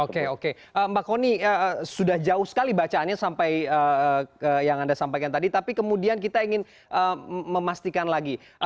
oke oke mbak kony sudah jauh sekali bacaannya sampai yang anda sampaikan tadi tapi kemudian kita ingin memastikan lagi